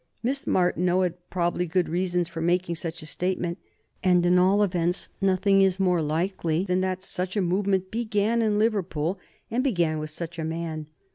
Miss Martineau had probably good reasons for making such a statement, and, at all events, nothing is more likely than that such a movement began in Liverpool, and began with such a man.